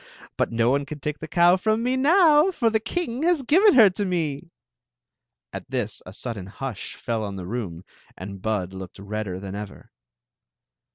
But no one can take the cow from me now, for the king has given her to me." At this a sudden hush feU on the romu and Bikl looked redder than ever.